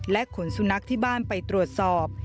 ขนสุนัขที่บ้านไปตรวจสอบ